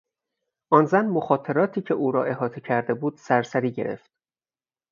آن زن مخاطراتی که او را احاطه کرده بود سرسری گرفت.